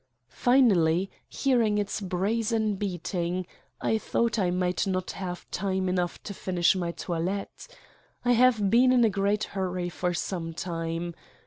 Finally, hearing its brazen beating, I thought I might not have time enough to finish my toillette. I have been in a great hurry for some time.